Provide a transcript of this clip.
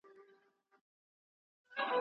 علمي بحثونه بايد په ازاده فضا کي وسي.